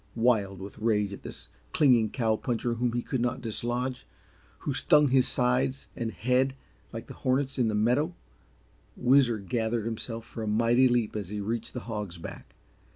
Wild with rage at this clinging cow puncher whom he could not dislodge, who stung his sides and head like the hornets in the meadow, Whizzer gathered himself for a mighty leap as he reached the Hog's Back.